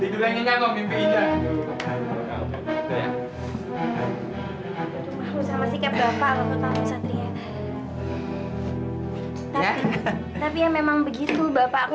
tapi tapi ya memang begitu bapakku